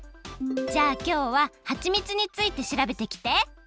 じゃあきょうははちみつについてしらべてきて！